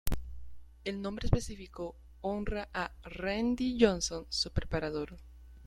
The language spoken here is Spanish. El nombre específico honra a Randy Johnson su preparador.